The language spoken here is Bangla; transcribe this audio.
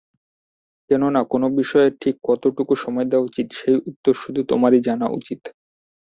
কেননা, কোন বিষয়ে ঠিক কতটুকু সময় দেয়া উচিত, সেই উত্তর শুধু তোমারই জানা উচিত।